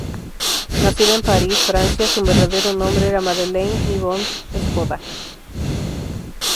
Nacida en París, Francia, su verdadero nombre era Madeleine Yvonne Svoboda.